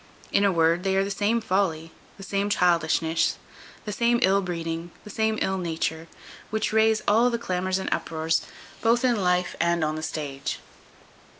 In a word, they are the same folly, the same childishness, the same ill breeding, and the same ill nature, which raise all the clamours and uproars both in life and on the stage.